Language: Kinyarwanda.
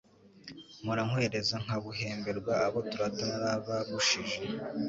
Mpora nkwereza nkabuhemberwa. Abo turata narabarushije,